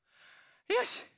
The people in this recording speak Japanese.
よし！